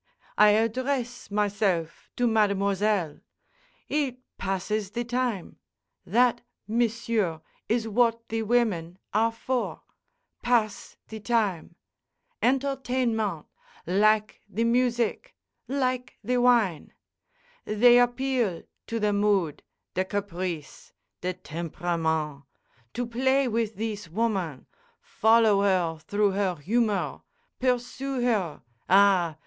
I address myself to mademoiselle; it passes the time. That, m'sieu', is wot the women are for—pass the time! Entertainment—like the music, like the wine! "They appeal to the mood, the caprice, the temperamen'. To play with thees woman, follow her through her humor, pursue her—ah!